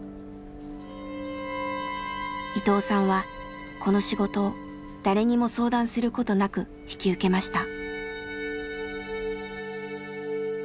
伊藤さんはこの仕事を誰にも相談することなく引き受けました。